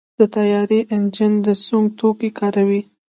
د طیارې انجن د سونګ توکي کاروي.